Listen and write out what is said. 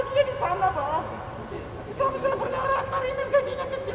saya penarangnya dia di sana pak